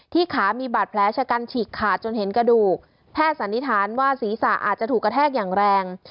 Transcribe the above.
ขามีบาดแผลชะกันฉีกขาดจนเห็นกระดูกแพทย์สันนิษฐานว่าศีรษะอาจจะถูกกระแทกอย่างแรง